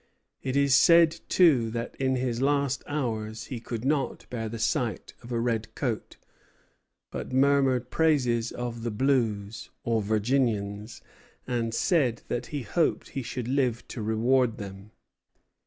It is said, too, that in his last hours "he could not bear the sight of a red coat," but murmured praises of "the blues," or Virginians, and said that he hoped he should live to reward them.